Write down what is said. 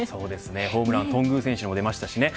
ホームラン頓宮選手も出ましたしね。